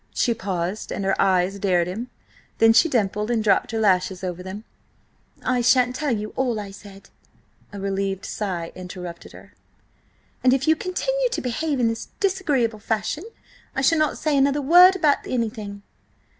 She paused, and her eyes dared him; then she dimpled and dropped her lashes over them. "I shan't tell you all I said—" A relieved sigh interrupted her. "And if you continue to behave in this disagreeable fashion I shall not say another word about anything!"